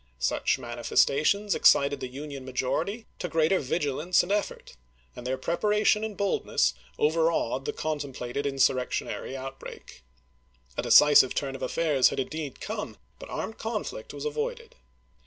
Such manifestations excited the Union majority to greater vigilance and effort, and their preparation and boldness overawed the contem plated insurrectionary outbreak. A decisive turn of affairs had indeed come, but armed conflict was avoided.